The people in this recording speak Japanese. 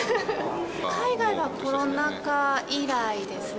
海外はコロナ禍以来ですね。